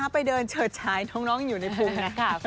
ไปเดินเฉิดฉายน้องอยู่ในภูมินะคะ